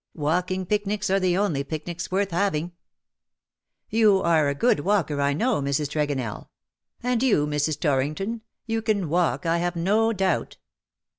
Walking picnics are the onl^" picnics worth having. You are a good walker, I knoWj Mrs. Tregonell ; and you, Mrs. Torringtoi, you can walk I have no doubt.